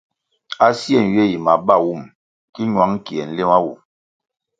A sie nywie yi mabawum ki ñwang kie nlima wu.